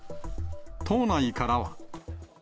党内からは。